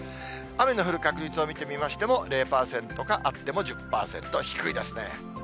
雨の降る確率を見てみましても、０％か、あっても１０％、低いですね。